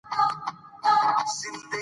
چا غرونه ونړول؟